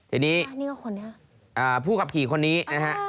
อันนี้ผู้ขับขี่คนนี้นะฮะ